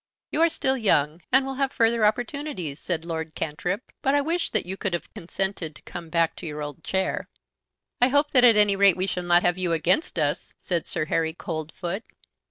"You are still young, and will have further opportunities," said Lord Cantrip, "but I wish that you could have consented to come back to your old chair." "I hope that at any rate we shall not have you against us," said Sir Harry Coldfoot.